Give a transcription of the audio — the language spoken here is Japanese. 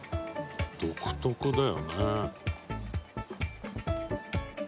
「独特だよね」